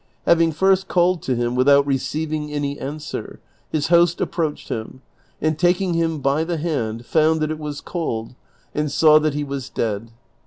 Having first called to him without receiving any answer, his host aj^proached him, and taking him by the hand, found that it was cold, and saw that he was dead.